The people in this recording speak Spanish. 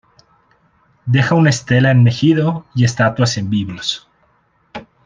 Deja una estela en Megido y estatuas en Biblos.